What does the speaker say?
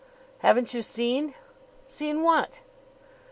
"Haven't you seen?" "Seen what?"